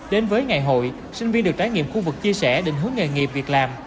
đến với ngày hội sinh viên được trải nghiệm khu vực chia sẻ định hướng nghề nghiệp việc làm